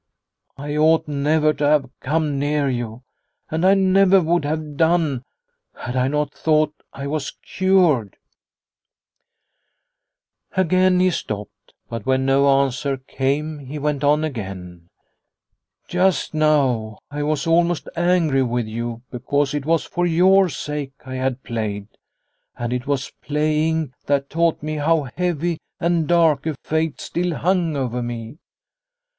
I ought never to have come near you, and I never would have done, had I not thought I was cured !" Again he stopped, but when no answer came he went on again :" Just now I was almost angry with you, because it was for your sake I had played, and it was playing, that taught me how heavy and dark a fate still hung over me.